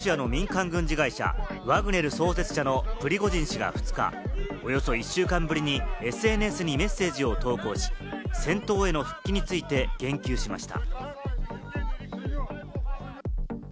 先月、反乱を起こしたロシアの民間軍事会社ワグネル創設者のプリゴジン氏が２日、およそ１週間ぶりにＳＮＳにメッセージを投稿し、戦闘への復帰について言及しました。